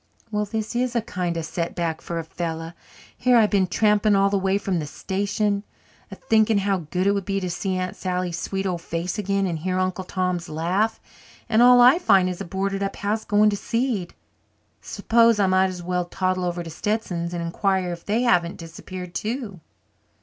Well, this is a kind of setback for a fellow. Here I've been tramping all the way from the station, a thinking how good it would be to see Aunt Sally's sweet old face again, and hear Uncle Tom's laugh, and all I find is a boarded up house going to seed. S'pose I might as well toddle over to Stetsons' and inquire if they haven't disappeared, too."